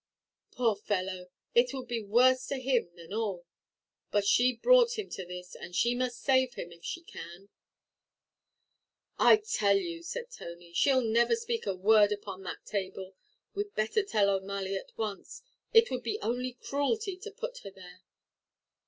"Poor fellow; it will be worse to him than all. But she brought him to this, and she must save him if she can." "I tell you," said Tony, "she'll never speak a word upon that table; we'd better tell O'Malley at once; 't would be only cruelty to put her there."